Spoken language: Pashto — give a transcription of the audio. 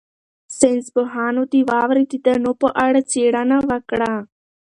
ساینس پوهانو د واورې د دانو په اړه څېړنه وکړه.